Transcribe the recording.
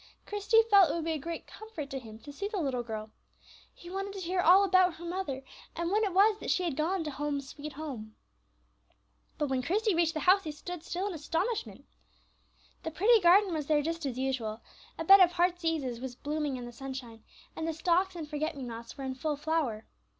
Christie felt it would be a great comfort to him to see the little girl. He wanted to hear all about her mother, and when it was that she had gone to "Home, sweet Home." But when Christie reached the house he stood still in astonishment. The pretty garden was there just as usual, a bed of heartseases was blooming in the sunshine, and the stocks and forget me nots were in full flower.